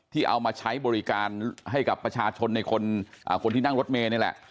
เอามาใช้บริการให้กับประชาชนในคนที่นั่งรถเมย์นี่แหละ